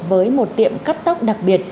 với một tiệm cắt tóc đặc biệt